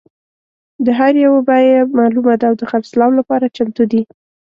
د هر یو بیه معلومه ده او د خرڅلاو لپاره چمتو دي.